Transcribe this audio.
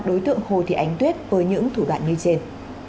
đối tượng hồ thị ánh tuyết với những thủ đoạn như trên